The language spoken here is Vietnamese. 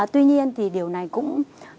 tuy nhiên thì điều này cũng